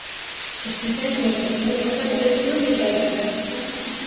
Este censo de residentes ausentes non deixa de crecer.